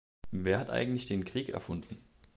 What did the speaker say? Wer hat eigentlich den Krieg erfunden?